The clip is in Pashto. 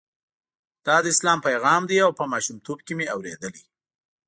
دا د اسلام پیغام دی او په ماشومتوب کې مې اورېدلی.